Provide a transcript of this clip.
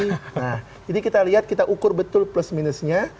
nah jadi kita lihat kita ukur betul plus minusnya